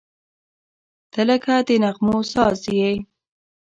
• ته لکه د نغمو ساز یې.